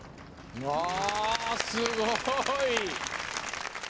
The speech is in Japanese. うわすごい。